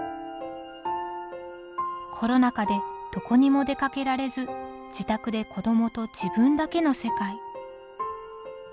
コロナ禍でどこにも出かけられず自宅で子どもと自分だけの世界。